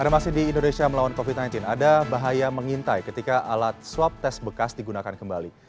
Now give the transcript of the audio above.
ada masih di indonesia melawan covid sembilan belas ada bahaya mengintai ketika alat swab tes bekas digunakan kembali